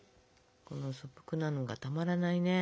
この素朴なのがたまらないね。